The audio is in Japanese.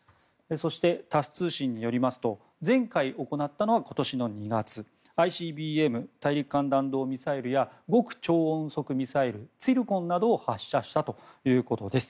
そして、タス通信によりますと前回行ったのは今年の２月ＩＣＢＭ・大陸間弾道ミサイルや極超音速ミサイルツィルコンなどを発射したということです。